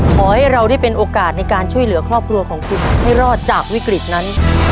ขอให้เราได้เป็นโอกาสในการช่วยเหลือครอบครัวของคุณให้รอดจากวิกฤตนั้น